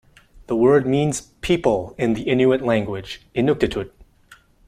The word means "people" in the Inuit language - Inuktitut.